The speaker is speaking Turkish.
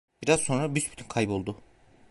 Biraz sonra büsbütün kayboldu.